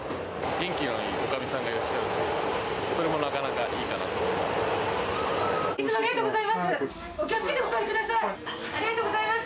元気のいいおかみさんがいらっしゃるんで、それもなかなかいいかなと思います。